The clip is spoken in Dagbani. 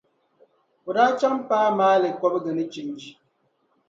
O daa chaŋ m-paai maali kɔbiga ni changi.